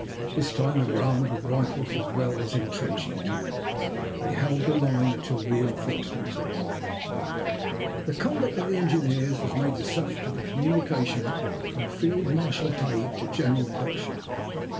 This time they were armed with rifles as well as intrenching tools. They held the line until reinforcements arrived. The conduct of the engineers was made the subject of a communication from Field Marshal Haig to General Pershing.